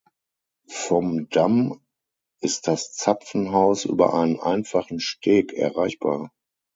Vom Damm ist das Zapfenhaus über einen einfachen Steg erreichbar.